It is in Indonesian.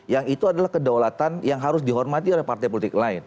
yang itu adalah kedaulatan yang harus dihormati oleh partai politik lain